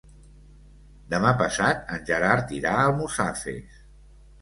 Demà passat en Gerard irà a Almussafes.